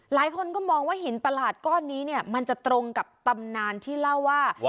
หลายคนก็มองว่าหินประหลาดก้อนนี้เนี่ยมันจะตรงกับตำนานที่เล่าว่า